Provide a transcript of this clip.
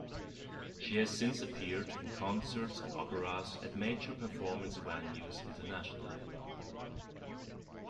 She has since appeared in concerts and operas at major performance venues internationally.